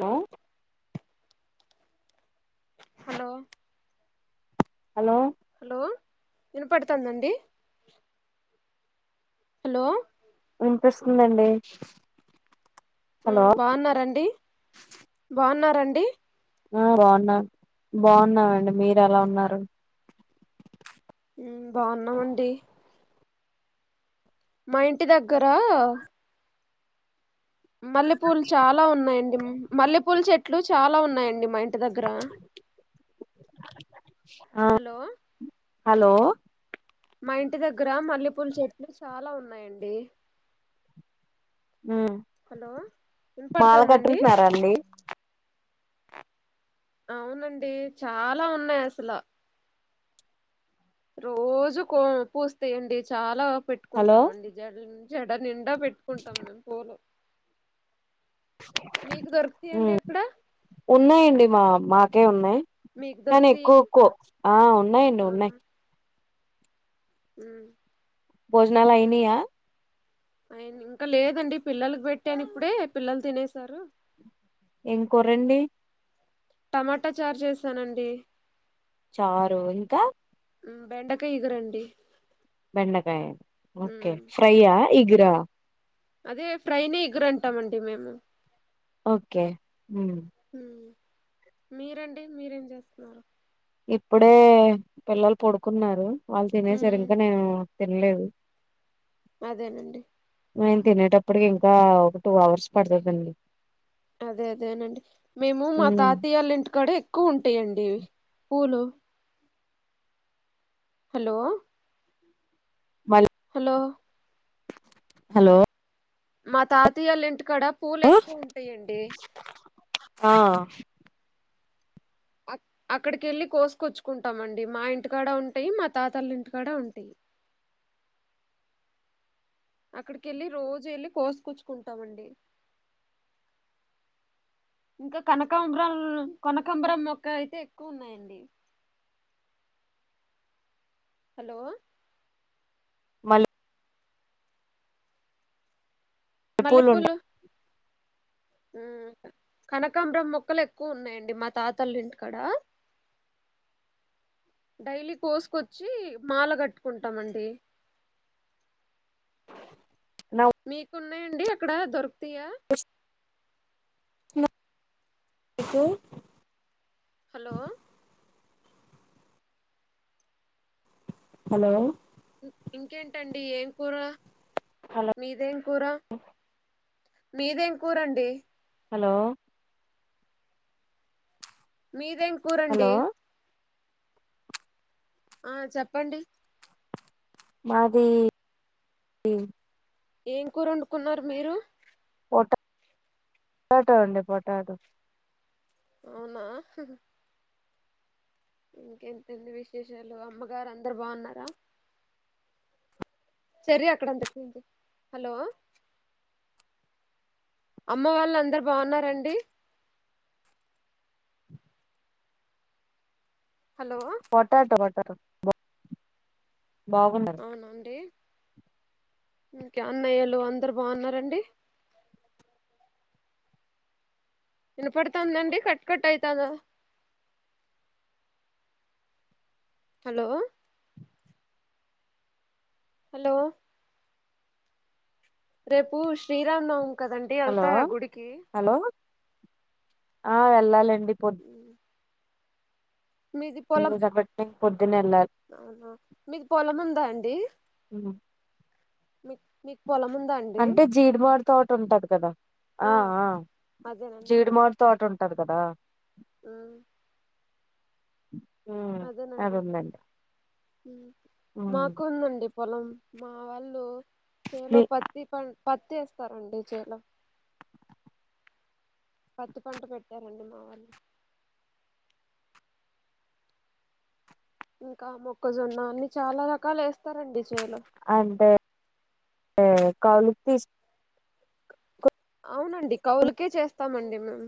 Hello hello. Hello. Hello వినపడుతుదండి. Hello వినిపిస్తుందండి. ఆ హలో బాగున్నారండి. బాగున్నారండి. ఆ బాగున్నాం, బాగున్నామండి. మీరు ఎలా ఉన్నారు. ఉ బాగున్నామండి. మా ఇంటి దగ్గరా మల్లెపూలు చాలా ఉన్నాయండి మల్లెపూలు చెట్లు చాలా ఉన్నాయండి మా ఇంటి దగ్గరా ఆ హలో హలో మా ఇంటి దగ్గర మల్లెపూలు చెట్లు చాలా ఉన్నాయండి ఉమ్ హలో మాల వినపడుతుందా అండి కట్టుకుంటున్నారా అండి అవునండి చాలా ఉన్నాయి అసలు రోజు కో పూస్తాయండి చాలా హలో పెట్టుకుంటామండి జ జడ నిండి ఎ పెట్టుకుంటాం మేము పూలు మీకు దొరుకుతాయండి అక్కడ ఉన్నాయండి మా మాకే ఉన్నాయి మీకు కానీ దొరుకుతాయా ఎక్కువ కో ఆ ఉన్నాయండి ఉన్నాయి మ్ భోజనాలు అయినయా అయిన ఇంకా లేదండి పిల్లలకు పెట్టాని ఇప్పుడే పిల్లలు తినేసారు ఏం కూరండి టమాటో చార్ చేసానండి చారు ఇంకా బెండకాయ ఇగురండి బెండకాయ ఓకే ఉమ్, ఫ్రైయా ఇగురా అదే ఫ్రైని ఇగురంటామండి మేము ఓకే హ్మ్ ఉమ్, మీరండి మీరేం చేస్తున్నారు ఇప్పుడే పిల్లలు పడుకున్నారు వాళ్ళు తినేసారు ఉమ్, ఇంక నేను తినలేదు అదేనండి మేం తినేటప్పటికి ఇంకా ఒక టూ అవర్స్ పడుతున్దండి అదే అదేనండి మేము మా తాతయాల ఇంటికాడ ఎక్కువ ఉంటాయండి పూలు హలో హలో హలో మా తాతయ్యాల ఇంటికాడ పూలు ఎక్కువ ఉంటాయండి ఆ ఆ అక్కడికేళ్ళి కోసుకొచ్చుకుంటాం అండి మా ఇంటికాడ ఉంటాయి మా తాతల్ ఇంటికాడ ఉంటాయి అక్కడికి వెళ్ళి రోజు వెళ్ళి కోసుకూచుకుంటామండి ఇంకా కనకంబ్రాల్ కనకాంబరం మొక్క అయితే ఎక్కువ ఉన్నాయండి హలో మల్లి పూలు ఉంటాయి మల్లెపూలు ఉమ్ కనకాంబరం మొక్కలు ఎక్కువ ఉన్నాయండి మా తాతోల్ ఇంటి కడ డైలీ కోసుకొచ్చి మాల కట్టుకుంటమండి నా వాయిస్ మీకున్నాయండి అక్కడ దొరుకుతయా మా కు హలో హలో ఇ ఇంకేంటండి ఏం కూర హలో మీదేం కూర మీదేం కూరండి హలో మీదేం హలో కూరండి ఆ చెప్పండి మాది ఏం కూరోన్డుకున్నారు మీరు పొటాటా అండి పొటాటో అవునా ఇంకెంతెంది విశేషాలు అమ్మగారు అందరు బాగున్నారా సరే అక్కడ అంత క్లీన్ చేయ్ హలో అమ్మ వాలందరు బాగున్నారండి హలో పొటటో పొటటో అవునండి ఇంకా అన్నయ్యలు అందరు బాగున్నారండి వినపడుతాందండి కట్కట్వుతాంద హలో హలో రేపు శ్రీరామనవమి కదండి హలో వెళ్తారా గుడికి హలో ఆ వెళ్ళాలండి పొద్ జబడ్ [inaudible] హ్మ్మ్ మీకు పొలం ఉందా అండి మీకు పొలం ఉందా అండి అంటే జీడిమడి తోట ఉంటది కదా ఆ ఆ అదేనండి జీడిమాడి తోట ఉంటు టారు కదా ఆ అది అదేనండి ఉందండి మాకు ఉందండి పొలం మా వాళ్ళు చేలో మీ పత్తి పం పతి ఏస్తారండి చేలో పత్తి పంట పెట్టారండి మా వాళ్ళు ఇంకా మొక్కజొన్న అన్ని చాలా రకాలు ఏస్తారండి అంటే టె కౌలుకు తీ అవునండి కౌలుకే చేస్తామండి మేము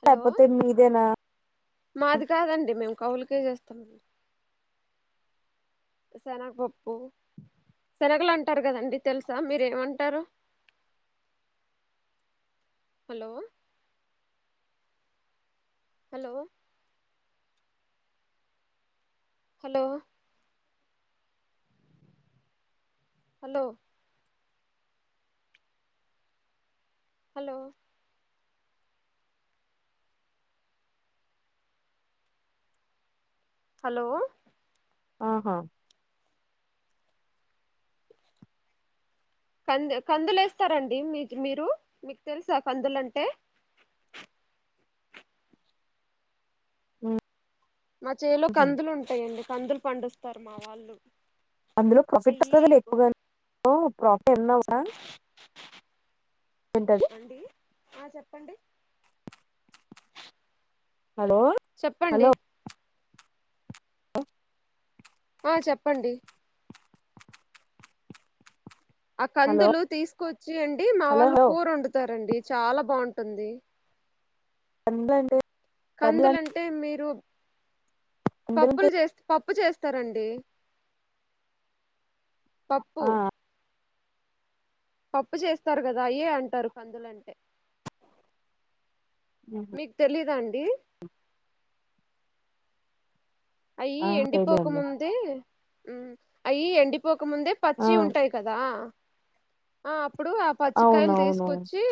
హలో లేకపోతే మీదేనా మాది కాదండి మేము కవులుకే చేస్తాము శనగపప్పు శనగలు అంటారు కదండి తెలుసా మీరేమంటారు hello hello hello hello hello hello ఆహా కందు కందులు వేస్తారండి మీ మీరు మీకు తెలుసా కందులంటే హ్మ్మ్ మా చేలో కందులు ఉంటాయండి కందులు పండిస్తారు మా వాళ్ళు అందులో ప్రాఫిట్ అయ్యి వస్తుంది ఎక్కువగా ప్రాఫిట్ ఎన్నావనా అండి ఆ చెప్పండి హలో చెప్పండి హలో హఓ ఆ చెప్పండి ఆ హలో కందులు తీసుకొచ్చి అండి మా హలో వాళ్ళు హలో కూర వండుతారండి చాలా బావుంటుంది ఎంత అంటే కందులంటే మీరు కందులంటే పప్పులు చేస్త పప్పు చేస్తారండి పప్పు ఆ పప్పు చేస్తారు కదా అయ్యే అంటారు కందులంటే మీకు తెలిదా అండి అయ్యి ఆ ఎండిపోక తెలియండి ముందే అయ్యి ఎండి పోకముందే ఆ పచ్చివి ఉంటాయి కదా ఆ ఇప్పుడు ఆ పచ్చికాయలు అవునవును తీసుకొచ్చి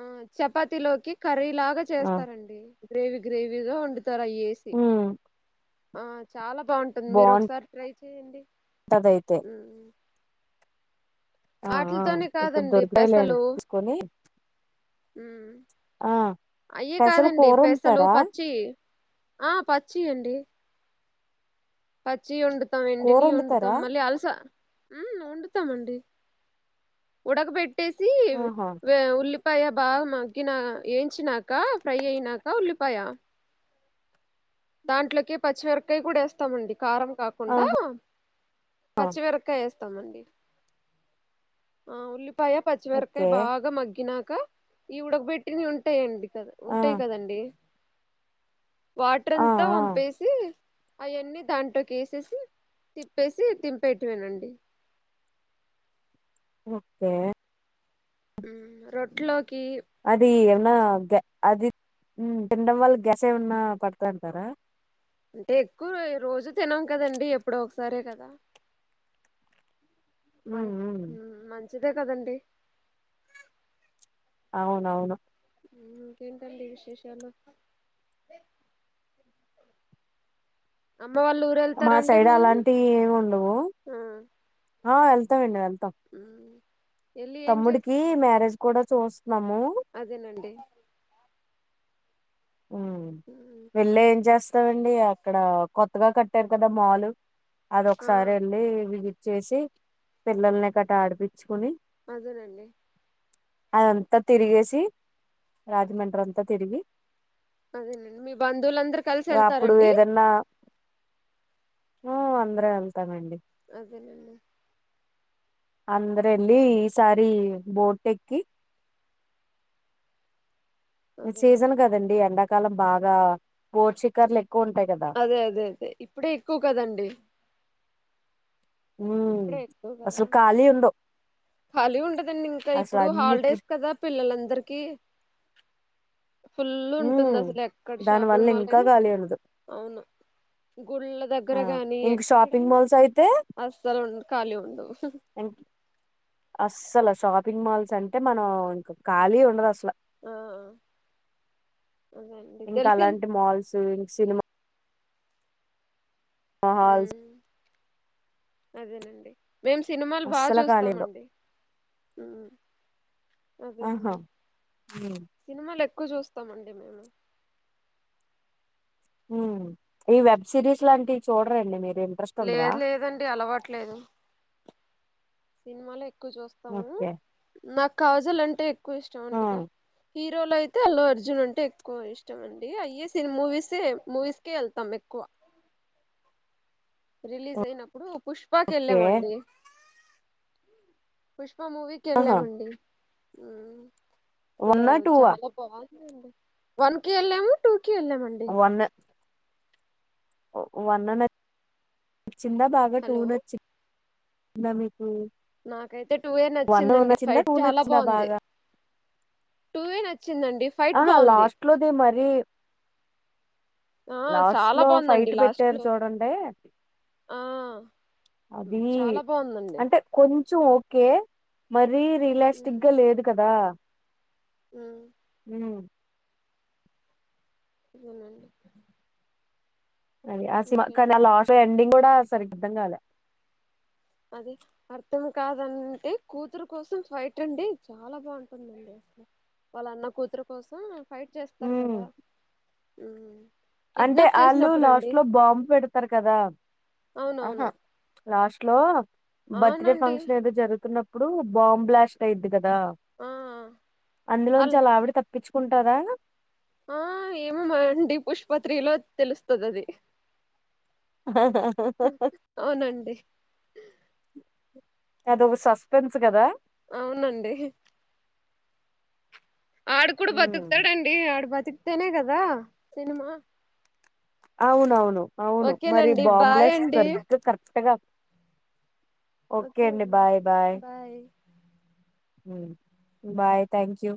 ఆ చపాతిలోకి కర్రీ ఇలాగా ఆ చేస్తారండి గ్రేవీ గ్రేవీగా వండుతారు అయ్యేసి ఉమ్ ఆ చాలా బాగుంటుంది మీరు ఒకసారి ట్రై చేయండి తదైతే ఆ ఆటిలతోనే ఇక్కడ కాదండి దొరుకుతాయిలేండి పెసళ్లు తీసుకొని ఉ ఆ అయ్యి పెసలు కాదండి కూర పెసర్లు వండుతారా పచ్చియి ఆ పచ్చియండి పచ్చియి వండుతాం కూర ఎండినయి వండుతాం వండుతారా మళ్ళీ అలస ఉమ్ వండుతామండి ఉడక పెట్టేసి ఆహా వే ఉల్లి ఉల్లిపాయ బాగా మగ్గిన ఏంచినాక ఫ్రై అయినాక ఉల్లిపాయ దాంట్లోకి పచ్చిమిరకాయ కూడా వేస్తామండి కారం ఆహా కాకుండా పచ్చిమిరపకాయ వేస్త స్తామండి ఆ ఉల్లిపాయ పచ్చిమిరపకాయ ఓకే బాగా మగ్గినాక కా ఈ ఉడకబెట్టినవి ఉంటాయి అండి కదా ఆ ఉంటాయి కదండి టర్ ఆ అంత ఆ వంపేసి అయన్ని దాంట్లోకి వేసేసి తిప్పేసి దింపేయటమేనండి ఓకే రొట్లో అదీ ఆ గ అది తినడం వళ్ళ గ్యాస్ ఏమన్న పడతదంటారా అంటే ఎక్కువ రోజూ తినం కదండీ ఎప్పుడో ఒకసారే కదా మ హ్మ్. హ్మ్. మంచిదే కదండి అవునవును ఉమ్ ఇంకేంటండి విశేషాలు అమ్మ వాళ్ళ ఊరు మా వెళ్తారండి సైడ్ మీరు అలాంటివి ఏమి ఉండవు ఆ ఆ వెళ్తామండి వెళ్తాం ఉమ్. వెళ్ళి ఏం చేస్త తమ్ముడికి మ్యారేజ్ కూడా చూస అదేనండి ఉ ఉమ్, వెళ్ళి ఏం చేస్తామండి అక్కడ కొత్తగా కట్టారు కదా మాలు అది ఆ ఒకసారి వెళ్లి విజిట్ చేసి పిల్లల్ని గట్ట ఆడిపించుకొని అదేనండి అదంత తిరిగేసి రాజమండ్రి అంత తిరిగి అదేనండి మీ బంధువులందరు కలిసి వెళ్తారా అండి ఆ అందరం వెళ్తామండి అదేనండి అందరూ వెళ్లి ఈసారి బోటు ఎక్కి అదేనండి సీజన్ కదండీ ఎండాకాలం బాగా బోట్ షికారులు ఎక్కి అదే అదే అదే ఇప్పుడే ఎక్కువ కదండి ఉ ఇప్పుడే ఎక్కువ కదా అసలు ఖాళీ ఉండవు ఖాళీ ఉండదండి ఇంక అసలు ఇప్పుడు అన్ని ట్రిప్ హాలిడేస్ కదా పిల్లలందరికీ ఫుల్ ఉంటుంది ఉమ్ అసలు ఎక్కడ దాని షాపింగ్ వల్ల మాల్ ఇంకా అయినా ఖాళీ ఉండదు అవును గుళ్ళ దగ్గర ఆ గాని ఇంక షాపింగ్ ఎక్కడైనా మాల్స్ అయితే అస్సలు ఉండ ఖాలీ ఉండవు అస్సలు షాపింగ్ మాల్స్ అంటే మనం ఇంక ఖాళీ ఉండదసలు ట్ల ఆ అదే అండి ఇంక తెలిసి అలాంటి మాల్స్ ఇంక సినిమా మా హస్బె ఉమ్, అదేనండి మేము సినిమాలు బాగా అస్సలు ఖాళీ ఉండవు చూస్తామండి ఆహా అదేనండి సినిమాలె ఎక్కువ చూస్తామండి మేము మ్ ఈ వెబ్ సిరీస్ లాంటివి చూడరాండి మీరు ఇంట్రెస్ట్ ఉండదా లేదు లేదండి అలవాటులేదు సినిమాలే ఎక్కువ చూస్తాము ఓకే నాకు కాజల్ అంటే ఎక్కువ ఆ ఇష్టమండి ఇగ హీరోలో అయితే అల్లు అర్జున్ అంటే ఎక్కువ ఇష్టం అండి అయ్యే సిని మూవీసే మూవీస్కే వెళ్తాం ఎక్కువ క్కువ రిలీజ్ అయినప్పుడు పుష్పాకి ఓకే ఎళ్ళామండి పుష్ ప మూవీకి ఆహా ఎళ్ళామండి వన్ అసలు ఆ టూ ఆ చాలా బావున్ వన్ కి ఎళ్ళాం టూ కి ఎళ్ళామండి వన్ వన్ న [inaudible] చ్చిందా బాగా టూ హలో నచ్చిం [inaudible] ద మీకు నాకైతే టూ ఏ వన్ నచ్చిందండి నచ్చిందా ఫైట్ టూ చాలా నచ్చిందా బాగుంది బాగా టూ ఏ న అహా లాస్ట్ లోది మరీ ఆ లాస్ట్ చాలా లో బాగుందండి ఫైట్ లాస్ట్ పెట్టారు లో చూడండీ ఆ అదీ చాలా బాగుందండి అంటె కొన్ కొంచం ఓకే మర రియలిస్టిక్ గా లేదు కదా ఉ ఉమ్ ఇదే నండి అది ఆ సి [inaudible] మా కానీ ఆ లాస్ ఎండింగ్ గూడా సరి [inaudible] అర్థం గాలే. అది అర్థం కాదనంటే కూతురు కోసం ఫైట్ అండి చాలా బా ఉంటుందండి. వాళ్ళ అన్న కూతురు కోసం ఫైట్ చేస్తారు ఉమ్ కదా ఉమ్ అంటే కిడ్నాప్ ఆళ్ళు చేసినప్పుడు అండి లాస్ట్ లో బాంబ్ పెడతారు కదా అవునవును అహా లాస్ట్ లో బర్త్డే అవునండి ఫంక్షన్ ఏదో జరుతున్నప్పుడు బాంబ్ బ్లాస్ట్ అయ్యిద్దిగ. ఆ అందులోంచి అల్ ఆల్ల ఆవిడి తప్పిచ్చుకుంటాదా ఆ ఏమో మరండి పుష్ప త్రి లో తెలుస్తది అది అహహా అవునండి అదోవ సస్పెన్స్ గదా అవునండి ఆడు కూడా ఉమ్. బతుకుతాడండి, ఆడు బతుకుతేనే కదా సినిమా. అవునవును అవును మరి ఓకేనండి బాయ్ బాంబ్లాస్ట్ అండి సరిగ్గా కరెక్ట్ గా ఓకే అండి bye bye bye thank you